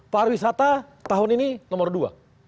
pariwisata tahun ini nomor dua